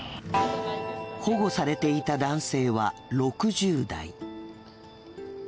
保護されていた男性は６０代。